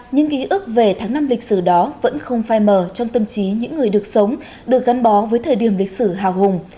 những ký ức về tháng năm lịch sử đó vẫn không phai mờ trong tâm trí những người được sống được gắn bó với thời điểm lịch sử hào hùng